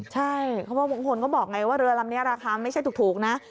ใช่คนก็บอกไงว่าเรือลำนี้ราคาไม่ใช่ถูกนะ